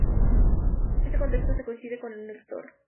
Este contexto si coincide con el lector.